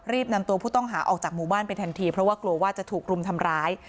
นำตัวผู้ต้องหาออกจากหมู่บ้านไปทันทีเพราะว่ากลัวว่าจะถูกรุมทำร้าย